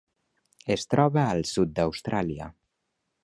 Es troba al sud d'Austràlia.